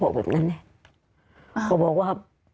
เขาบอกว่า